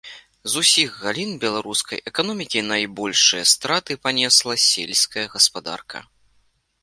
З усіх галін беларускай эканомікі найбольшыя страты панесла сельская гаспадарка.